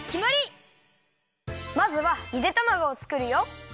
まずはゆでたまごを作るよ。